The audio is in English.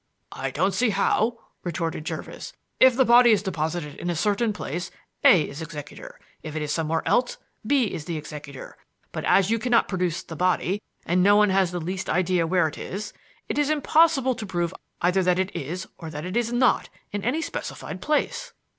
"I don't see how," retorted Jervis. "If the body is deposited in a certain place, A is executor; if it is somewhere else, B is the executor. But as you cannot produce the body, and no one has the least idea where it is, it is impossible to prove either that it is or that it is not in any specified place."